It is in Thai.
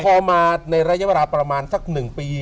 พอมาในระยะเวลาประมาณสัก๑ปี